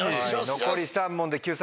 残り３問で救済